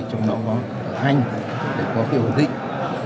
trong đó có anh để có hiệu định